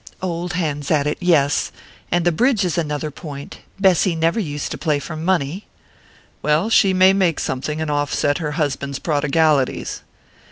"Old hands at it yes! And the bridge is another point: Bessy never used to play for money." "Well, she may make something, and offset her husband's prodigalities."